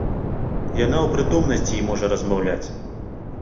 Яна ў прытомнасці і можа размаўляць.